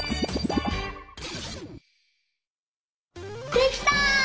できた！